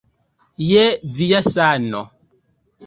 Je via sano